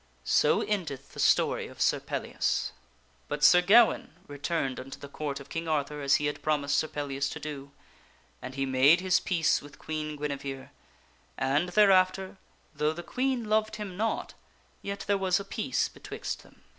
So endeth the story of Sir Pellias. But Sir Gawaine returned unto the Court of King Arthur as he had promised Sir Pellias to do, and he made his peace with Queen Guinevere and, thereafter, though the Queen loved him not, yet there was a peace betwixt them.